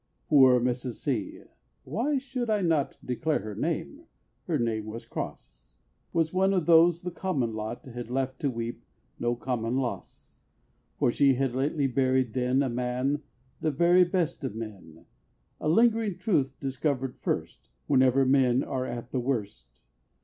Poor Mrs. C (why should I not Declare her name? her name was Cross) Was one of those the "common lot" Had left to weep "no common loss"; For she had lately buried then A man, the "very best of men," A lingering truth, discovered first Whenever men "are at the worst."